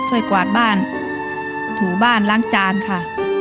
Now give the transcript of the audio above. กวาดบ้านถูบ้านล้างจานค่ะ